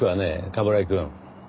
冠城くん